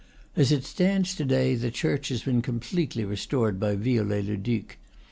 As it stands to day, the church has been completely restored by Viollet le Duc.